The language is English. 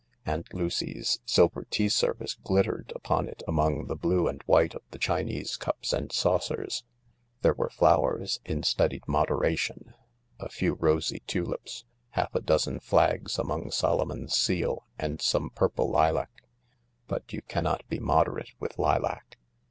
Aunt Lucy's silver tea service glittered upon it among the blue and white of the Chinese cups and saucers. There were flowers, in studied modera tion : a few rosy tulips, half a dozen flags among Solomon's seal, and some purple lilac — but you cannot be moderate with lilac.